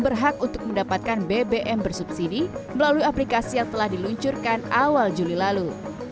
berhak untuk mendapatkan bbm bersubsidi melalui aplikasi yang telah diluncurkan awal juli lalu